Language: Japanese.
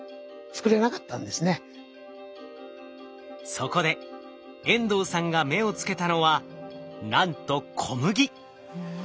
そこで遠藤さんが目をつけたのはなんとうん。